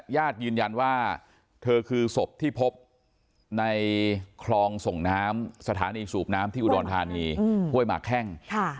ญาติยืนยันว่าเธอคือศพที่พบในคลองส่งน้ำสถานีสูบน้ำที่อุดรธานีห้วยหมากแข้ง